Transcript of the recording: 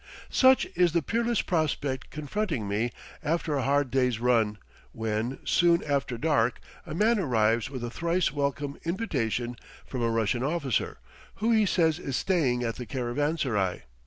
Such is the cheerless prospect confronting me after a hard day's run, when, soon after dark, a man arrives with a thrice welcome invitation from a Russian officer, who he says is staying at the caravanserai.